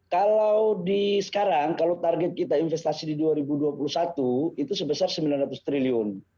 kalau di sekarang kalau target kita investasi di dua ribu dua puluh satu itu sebesar rp sembilan ratus triliun